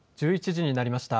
１１時になりました。